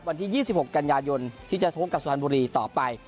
วันที่๒๖กันยายนที่จะทกกับสุพรรณบุรีต่อไป